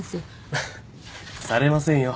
フッされませんよ。